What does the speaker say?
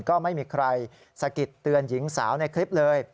ก็ไม่มีใครสะกิดเตือนหญิงสาวในคลิปเลย